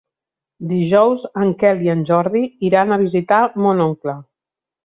Dijous en Quel i en Jordi iran a visitar mon oncle.